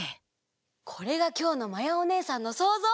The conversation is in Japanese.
これがきょうのまやおねえさんのそうぞう。